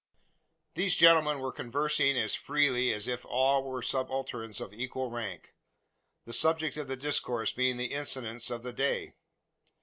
These gentlemen were conversing as freely as if all were subalterns of equal rank the subject of the discourse being the incidents of the day.